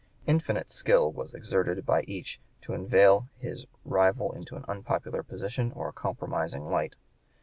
Infinite skill was exerted by each to inveigle his rival into an unpopular position or a compromising light.